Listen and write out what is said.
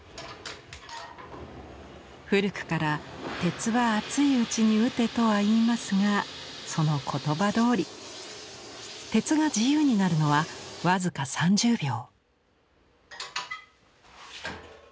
古くから「鉄は熱いうちに打て」とは言いますがその言葉どおり鉄が自由になるのは僅か３０秒。